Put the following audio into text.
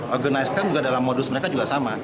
organisasi krim juga dalam modus mereka juga sama